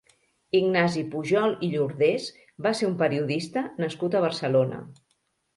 Ignasi Pujol i Llordés va ser un periodista nascut a Barcelona.